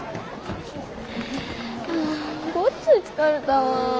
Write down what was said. あごっつい疲れたわ。